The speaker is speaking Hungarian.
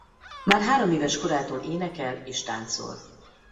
Már hároméves korától énekel és táncol.